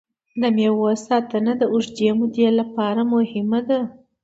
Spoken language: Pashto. د مېوو ساتنه د اوږدې مودې لپاره مهمه ده.